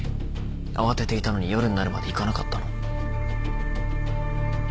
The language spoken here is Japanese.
慌てていたのに夜になるまで行かなかったの？